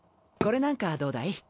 これなんかどうだい？